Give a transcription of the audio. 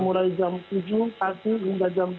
mulai jam tujuh kaki hingga jam sembilan pagi